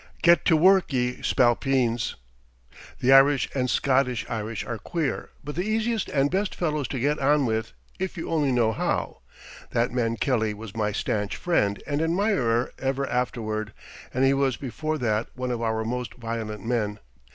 Get to work, ye spalpeens." The Irish and Scotch Irish are queer, but the easiest and best fellows to get on with, if you only know how. That man Kelly was my stanch friend and admirer ever afterward, and he was before that one of our most violent men.